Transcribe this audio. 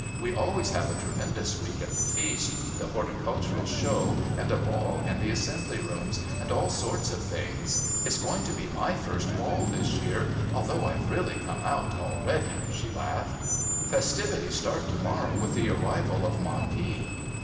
We always have a tremendous week at the Feast the Horticultural Show and a Ball in the Assembly Rooms, and all sorts of things. It's going to be my first ball this year, although I've really come out already." She laughed. "Festivities start to morrow with the arrival of Marquis."